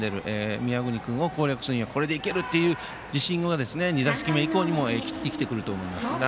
宮國君を攻略するにはこれでいけるという自信は２打席目以降にも生きてくると思います。